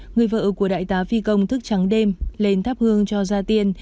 người vợ của đại tá phi công thức trắng đêm lên tháp hương cho ra tiên